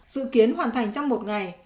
dự kiến hoàn thành trong một ngày